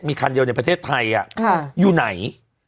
มีคันเดียวในประเทศไทยอยู่ไหน